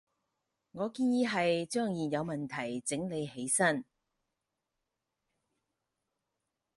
我建議係將現有問題整理起身